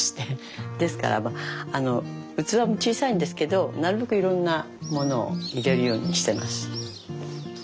ですから器も小さいんですけどなるべくいろんなものを入れるようにしてます。